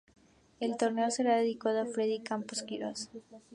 El torneo será dedicado a Freddy Campos Quirós.